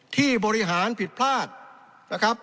ที่บริหารผิดพลาดนะครับ